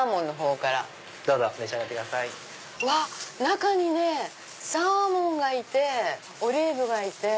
うわっ中にねサーモンがいてオリーブがいて。